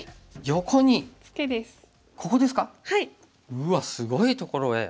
うわっすごいところへ。